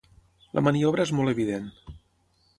La maniobra és molt evident.